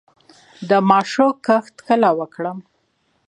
د ماشو کښت کله وکړم؟